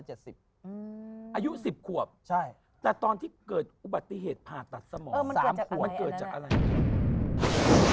อายุ๑๐ขวบใช่แต่ตอนที่เกิดอุบัติเหตุผ่าตัดสมอง๓ขวดเกิดจากอะไร